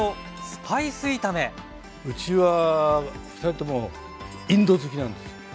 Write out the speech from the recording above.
うちは二人ともインド好きなんですよ。